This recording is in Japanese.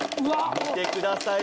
見てください